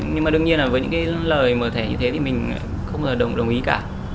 nhưng mà đương nhiên là với những lời mở thẻ như thế thì mình không có lời đồng ý cả